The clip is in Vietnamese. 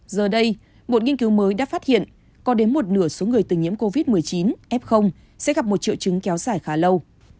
giờ đây một nghiên cứu mới đã phát hiện có đến một nửa số người từng nhiễm covid một mươi chín f sẽ gặp một triệu chứng kéo dài khá lâu